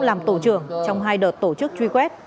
làm tổ trưởng trong hai đợt tổ chức truy quét